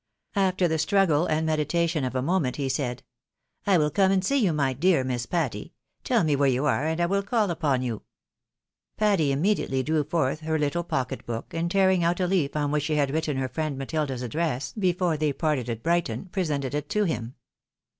After the struggle and meditation of a moment, he said, "I wiU come and see you, my dear Miss Patty. Tell me where you are, and I will call upon you." AN APPOINTMENT. 231 Patty immediately drew forth her httle pocket book, and tearing out a leaf on which she had ■written her friend Matilda's address, before they parted at Brighton, presented it to him.